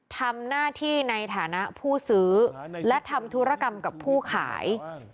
ทำหน้าที่ในฐานะผู้ซื้อและทำธุรกรรมกับผู้ขาย